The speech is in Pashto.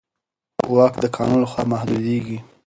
واک د قانون له خوا محدودېږي.